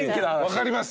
分かります。